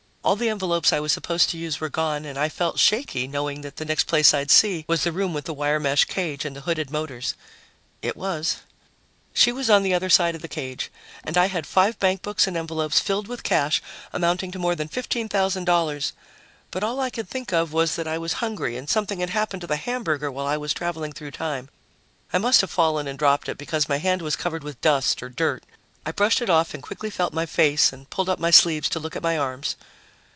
All the envelopes I was supposed to use were gone and I felt shaky, knowing that the next place I'd see was the room with the wire mesh cage and the hooded motors. It was. She was on the other side of the cage, and I had five bankbooks and envelopes filled with cash amounting to more than $15,000, but all I could think of was that I was hungry and something had happened to the hamburger while I was traveling through time. I must have fallen and dropped it, because my hand was covered with dust or dirt. I brushed it off and quickly felt my face and pulled up my sleeves to look at my arms.